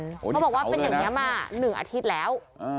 เขาบอกว่าเป็นอย่างนี้มา๑อาทิตย์แล้ว